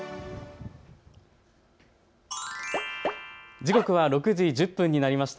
時刻は６時１０分になりました。